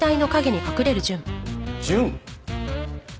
純？